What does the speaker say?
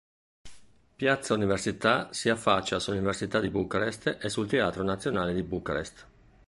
Piazza Università si affaccia sull'Università di Bucarest e sul Teatro Nazionale di Bucarest.